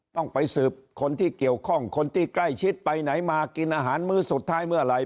ต้องไปสืบคนที่เกี่ยวข้องคนที่ใกล้ชิดไปไหนมากินอาหารมื้อสุดท้ายเมื่อไหร่